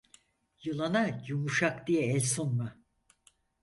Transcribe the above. Yılana yumuşak diye el sunma.